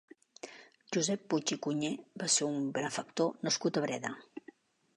Josep Puig i Cunyer va ser un benefactor nascut a Breda.